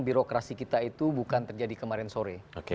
birokrasi kita itu bukan terjadi kemarin sore